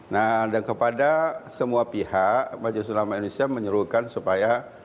nah dan kepada semua pihak maju selamat indonesia menyerukan supaya